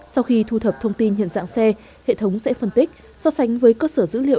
sau khi thu thập thông tin nhận dạng xe hệ thống sẽ phân tích so sánh với cơ sở dữ liệu